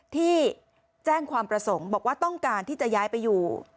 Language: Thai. ที่แจ้งความประสงค์บอกว่าต้องการที่จะย้ายไปอยู่